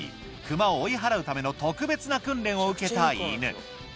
クマを追い払うための特別な訓練を受けた犬